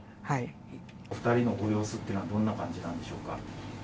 お２人のご様子というのは、どんな感じなんでしょうか。